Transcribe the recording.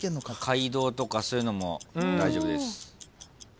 街道とかそういうのも大丈夫です。